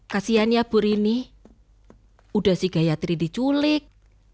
kasian ya bu arini udah si gayatri diculik